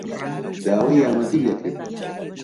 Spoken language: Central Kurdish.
داوای یارمەتیی لێ کرد.